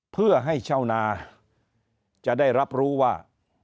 เพื่อให้ชาวนาจะได้รับรู้ว่า